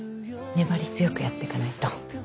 粘り強くやって行かないと。